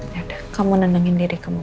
ya udah kamu nendangin diri kamu dulu